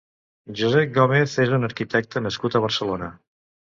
Josep Gómez és un arquitecte nascut a Barcelona.